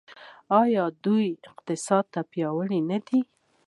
آیا د دوی اقتصاد دې تل پیاوړی نه وي؟